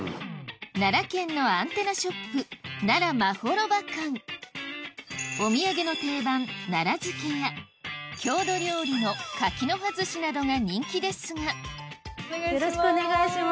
奈良県のアンテナショップお土産の定番奈良漬や郷土料理の柿の葉寿司などが人気ですがお願いします。